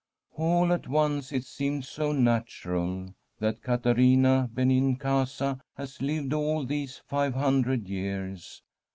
All at once it seemed so natural that Caterina Benincasa has lived all these five hundred years.